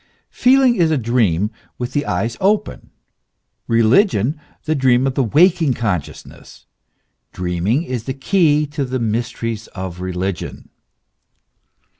Feeling is a dream with the eyes open ; religion the dream of waking con sciousness : dreaming is the key to the mysteries of religion.